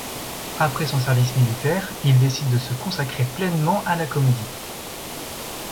Après son service militaire, il décide de se consacrer pleinement à la comédie.